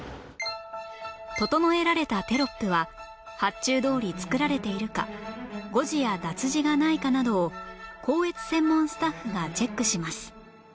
整えられたテロップは発注どおり作られているか誤字や脱字がないかなどを校閲専門スタッフがチェックします